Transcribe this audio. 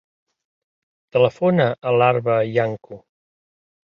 Telefona a l'Arwa Iancu.